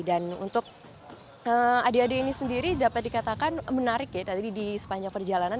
dan untuk adik adik ini sendiri dapat dikatakan menarik ya nanti di sepanjang perjalanan